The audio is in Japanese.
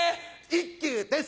一休です